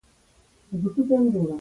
خپل کور دي دی ، پښه مه ګرځوه !